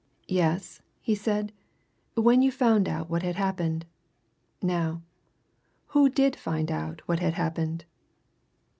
"Yes?" he said. "When you found out what had happened. Now, who did find out what had happened?"